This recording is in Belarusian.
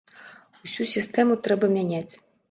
Усю сістэму трэба мяняць.